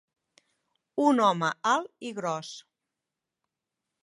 Un home alt i gros.